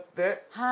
はい。